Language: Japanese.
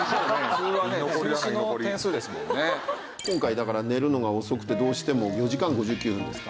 今回だから寝るのが遅くてどうしても４時間５９分ですか。